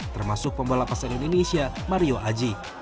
termasuk pembalap asal indonesia mario aji